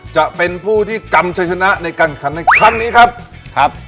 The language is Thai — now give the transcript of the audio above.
จะเป็นผู้ที่กำชะชนะในการคันในคำนี้ครับ